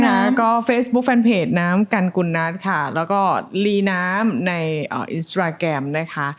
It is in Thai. นะคะก็เฟซบุ๊คแฟนเพจน้ำกันกุลนัทค่ะแล้วก็ลีน้ำในอินสตราแกรมนะคะ